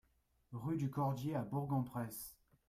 Rue du Cordier à Bourg-en-Bresse